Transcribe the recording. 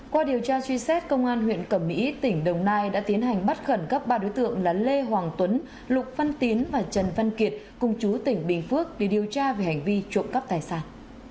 qua điều tra truy xét công an huyện cẩm mỹ tỉnh đồng nai đã tiến hành bắt khẩn cấp ba đối tượng là lê hoàng tuấn lục văn tiến và trần văn kiệt cùng chú tỉnh bình phước để điều tra về hành vi trộm cắp tài sản